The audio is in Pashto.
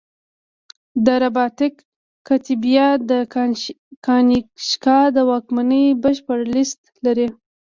د رباطک کتیبه د کنیشکا د واکمنۍ بشپړه لېست لري